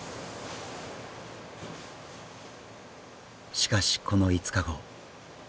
しかしこの５日後。